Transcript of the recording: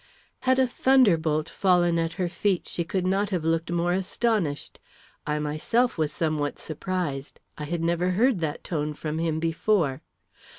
Had a thunderbolt fallen at her feet, she could not have looked more astonished. I myself was somewhat surprised; I had never heard that tone from him before.